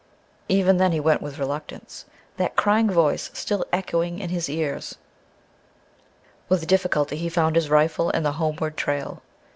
Even then he went with reluctance, that crying voice still echoing in his ears. With difficulty he found his rifle and the homeward trail.